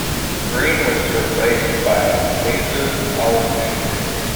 Green was replaced by Vassos Alexander.